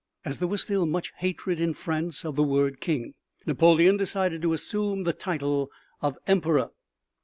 As there was still much hatred in France of the word King, Napoleon decided to assume the title of Emperor.